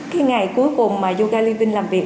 cái ngày cuối cùng mà yoga living làm việc